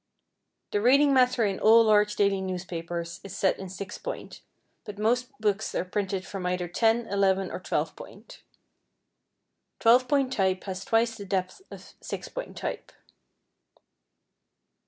The reading matter in all large daily newspapers is set in 6 Point, but most books are printed from either 10, 11, or 12 Point. Twelve Point type has twice the depth of 6 Point type.